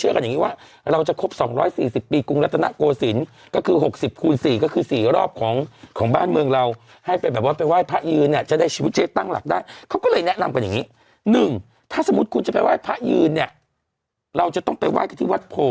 เออนั่นน่ะสิก็เลยให้เขาเอาขึ้นมาให้